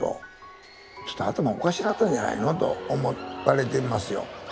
ちょっと頭おかしなったんじゃないのと思われてますよ。